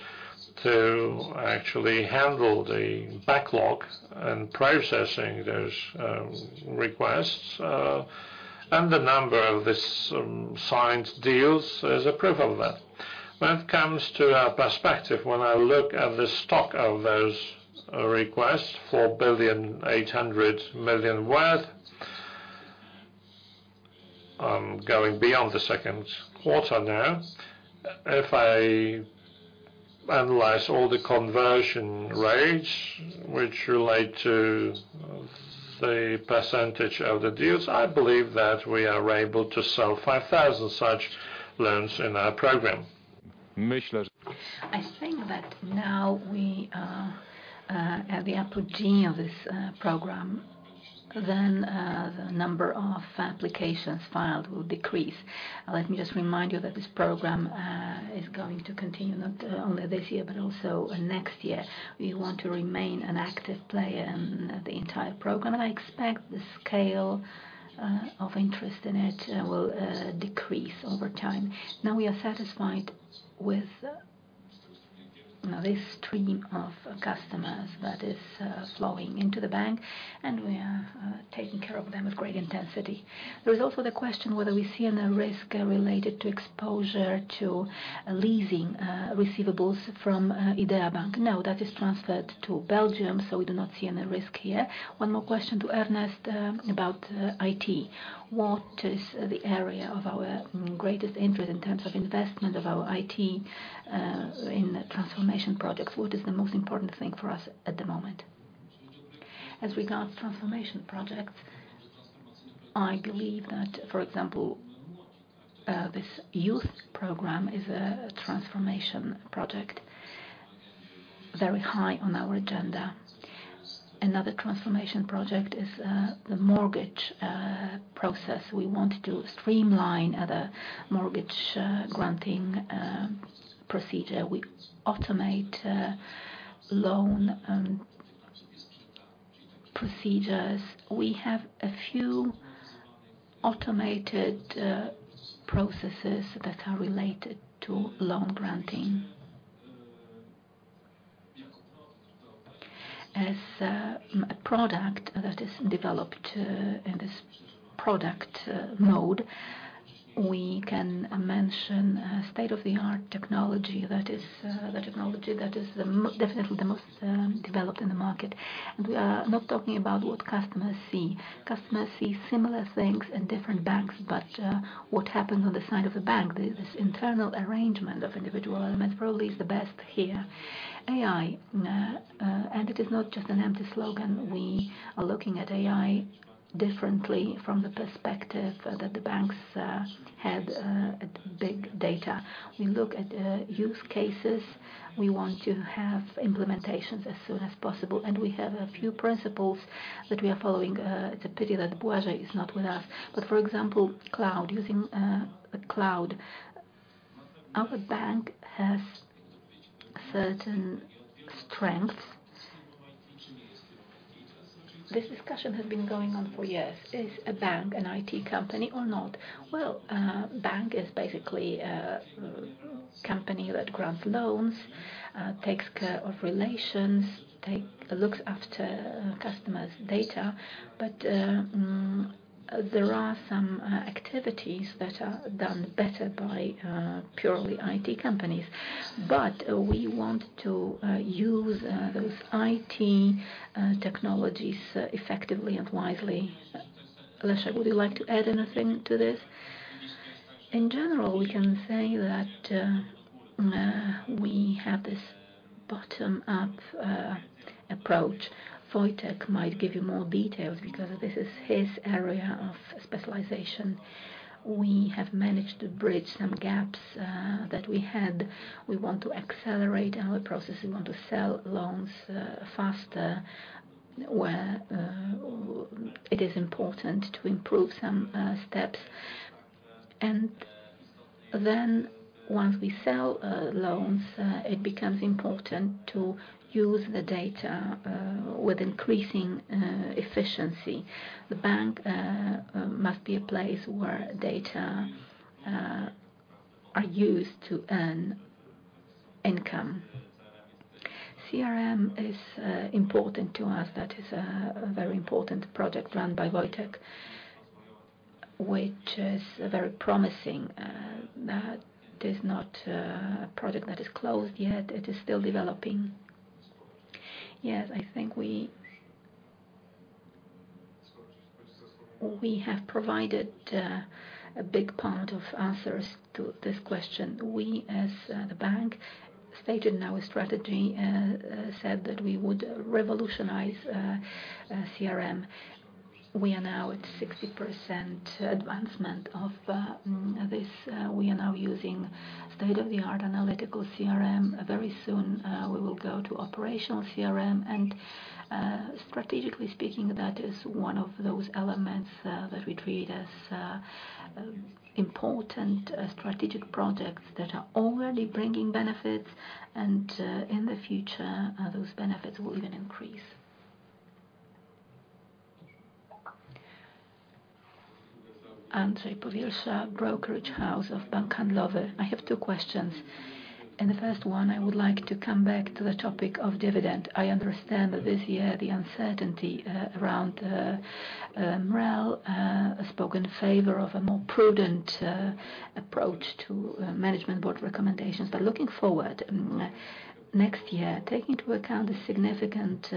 to actually handle the backlog and processing those requests, and the number of this signed deals is a proof of that. When it comes to our perspective, when I look at the stock of those requests, 4.8 billion worth, I'm going beyond the second quarter now. If I analyze all the conversion rates which relate to the percentage of the deals, I believe that we are able to sell 5,000 such loans in our program. I think that now we are at the apogee of this program, then the number of applications filed will decrease. Let me just remind you that this program is going to continue not only this year, but also next year. We want to remain an active player in the entire program, and I expect the scale of interest in it will decrease over time. Now, we are satisfied with this stream of customers that is flowing into the bank, and we are taking care of them with great intensity. There is also the question whether we see any risk related to exposure to leasing receivables from Idea Bank. No, that is transferred to Belgium, so we do not see any risk here. One more question to Ernest about IT. What is the area of our greatest interest in terms of investment of our IT in transformation projects? What is the most important thing for us at the moment? As regards transformation projects, I believe that, for example, this youth program is a transformation project very high on our agenda. Another transformation project is the mortgage process. We want to streamline the mortgage granting procedure. We automate loan procedures. We have a few automated processes that are related to loan granting. As a product that is developed in this product mode, we can mention state-of-the-art technology. That is the technology that is the definitely the most developed in the market. We are not talking about what customers see. Customers see similar things in different banks, but what happens on the side of the bank, the, this internal arrangement of individual elements probably is the best here. AI, and it is not just an empty slogan. We are looking at AI differently from the perspective that the banks had at big data. We look at use cases. We want to have implementations as soon as possible, and we have a few principles that we are following. It's a pity that Błażej is not with us, but for example, cloud, using a cloud. Our bank has certain strengths. This discussion has been going on for years. Is a bank an IT company or not? Well, a bank is basically a company that grants loans, takes care of relations, looks after customers' data, but there are some activities that are done better by purely IT companies. We want to use those IT technologies effectively and wisely. Leszek, would you like to add anything to this? In general, we can say that we have this bottom-up approach. Wojciech might give you more details because this is his area of specialization. We have managed to bridge some gaps that we had. We want to accelerate our process. We want to sell loans faster, where it is important to improve some steps. Then once we sell loans, it becomes important to use the data with increasing efficiency. The bank must be a place where data are used to earn income. CRM is important to us. That is a very important project run by Wojciech, which is very promising. That is not a project that is closed yet. It is still developing. Yes, I think we... We have provided a big part of answers to this question. We, as the bank, stated in our strategy, said that we would revolutionize CRM. We are now at 60% advancement of this. We are now using state-of-the-art analytical CRM. Very soon, we will go to operational CRM, and strategically speaking, that is one of those elements that we treat as important strategic projects that are already bringing benefits, and in the future, those benefits will even increase. Andrzej Powierża, Brokerage House of Bank Handlowy. I have two questions, and the first one, I would like to come back to the topic of dividend. I understand that this year, the uncertainty around MREL spoke in favor of a more prudent approach to management board recommendations. Looking forward, next year, taking into account the significant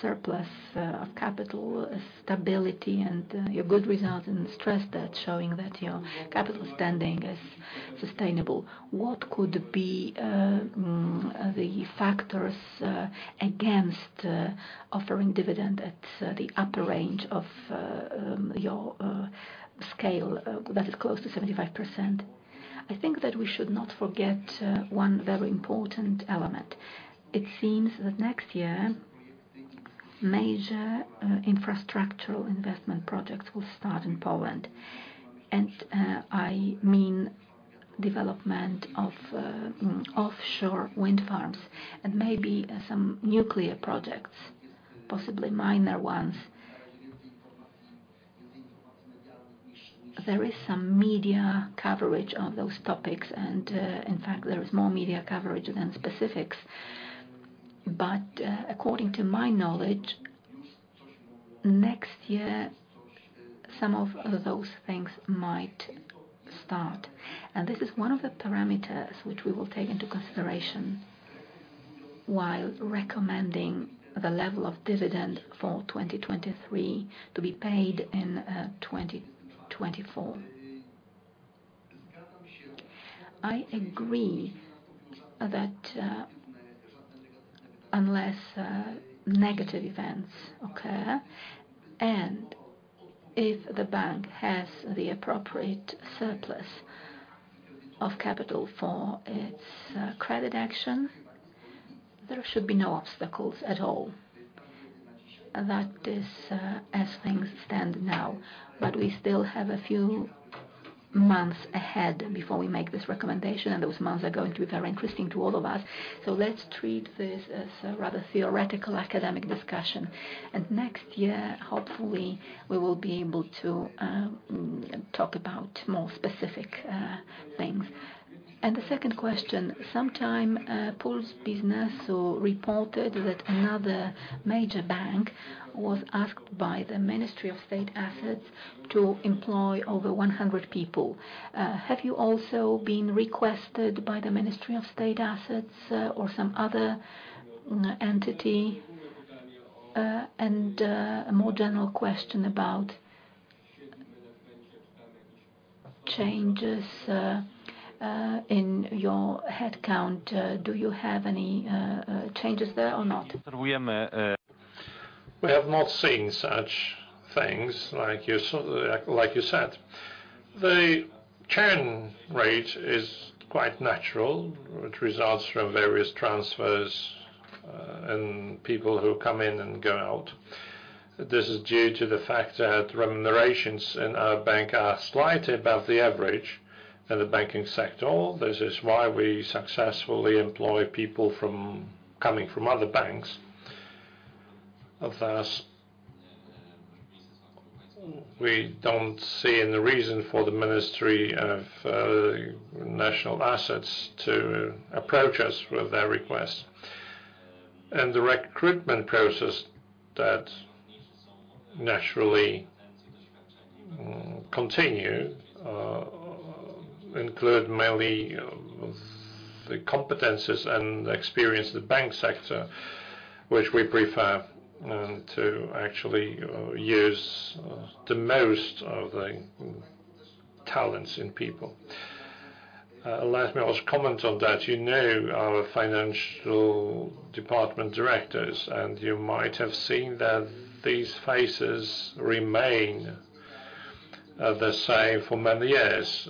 surplus of capital, stability, and your good results and stress that's showing that your capital standing is sustainable, what could be the factors against offering dividend at the upper range of your scale that is close to 75%? I think that we should not forget one very important element. It seems that next year, major infrastructural investment projects will start in Poland, and I mean development of offshore wind farms and maybe some nuclear projects, possibly minor ones. There is some media coverage on those topics, and in fact, there is more media coverage than specifics. According to my knowledge, next year, some of those things might start, and this is one of the parameters which we will take into consideration while recommending the level of dividend for 2023 to be paid in 2024. I agree that, unless, negative events occur, and if the bank has the appropriate surplus of capital for its credit action, there should be no obstacles at all. That is, as things stand now, but we still have a few months ahead before we make this recommendation, and those months are going to be very interesting to all of us. Let's treat this as a rather theoretical, academic discussion, and next year, hopefully, we will be able to talk about more specific things. The second question: sometime, Puls Biznesu, so reported that another major bank was asked by the Ministry of State Assets to employ over 100 people. Have you also been requested by the Ministry of State Assets or some other entity? A more general question about changes, in your headcount, do you have any changes there or not? We have not seen such things like you saw, like you said. The churn rate is quite natural, which results from various transfers, and people who come in and go out. This is due to the fact that remunerations in our bank are slightly above the average in the banking sector. This is why we successfully employ people coming from other banks. Of course, we don't see any reason for the Ministry of State Assets to approach us with their request, and the recruitment process that naturally continue, include mainly the competencies and experience in the bank sector, which we prefer to actually use the most of the talents in people. Let me also comment on that, you know, our financial department directors, and you might have seen that these faces remain the same for many years.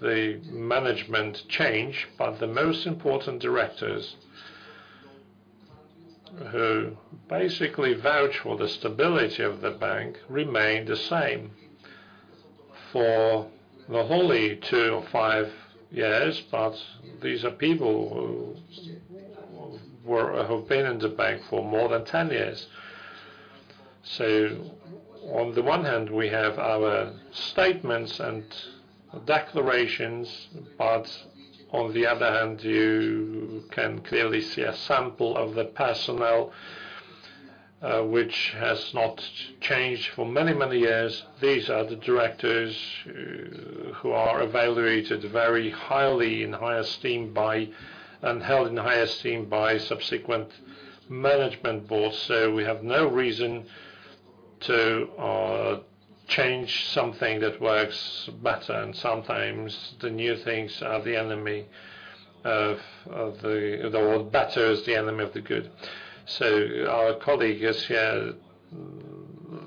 The management change, but the most important directors, who basically vouch for the stability of the bank, remain the same for the wholly two or five years, but these are people who, who, have been in the bank for more than 10 years. On the one hand, we have our statements and declarations, but on the other hand, you can clearly see a sample of the personnel, which has not changed for many, many years. These are the directors who, who are evaluated very highly, in high esteem by, and held in high esteem by subsequent management boards. We have no reason to change something that works better, and sometimes the new things are the enemy of, of the, the word better is the enemy of the good. Our colleague is here,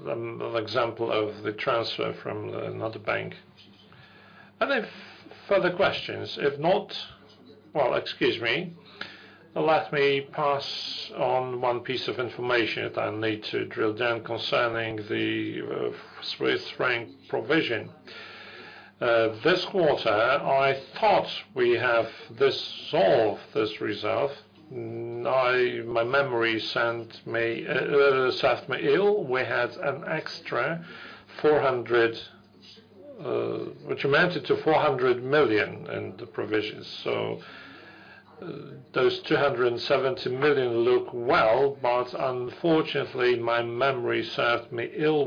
an example of the transfer from another bank. Any further questions? If not, well, excuse me. Let me pass on one piece of information that I need to drill down concerning the Swiss francs provision. This quarter, I thought we have dissolved this reserve. My memory sent me served me ill. We had an extra 400 million, which amounted to 400 million in the provisions. Those 270 million look well, but unfortunately, my memory served me ill.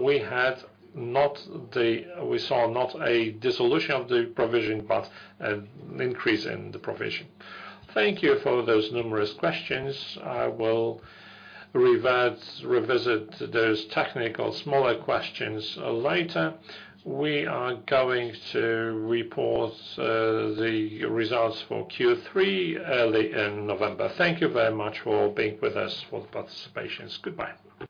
We saw not a dissolution of the provision, but an increase in the provision. Thank you for those numerous questions. I will revert, revisit those technical, smaller questions later. We are going to report the results for Q3 early in November. Thank you very much for being with us, for the participations. Goodbye.